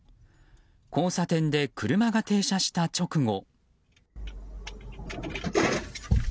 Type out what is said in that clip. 交差点で車が停車した直後。